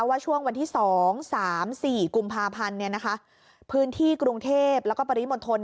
ว่าช่วงวันที่๒๓๔กุมภาพันธ์พื้นที่กรุงเทพแล้วก็ปริมณฑล